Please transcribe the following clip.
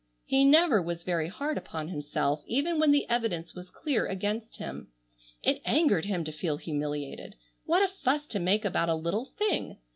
He never was very hard upon himself even when the evidence was clear against him. It angered him to feel humiliated. What a fuss to make about a little thing!